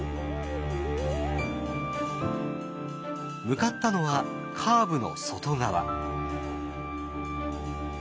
向かったのはカーブの外側。